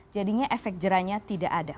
jadinya efek jerahnya tidak ada